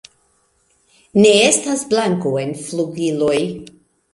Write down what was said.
Ne estas blanko en flugiloj.